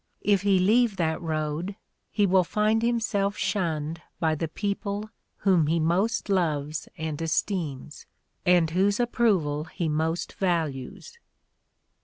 If he leave that road he will find himself shunned by the people whom he most loves and esteems, and whose approval he most values."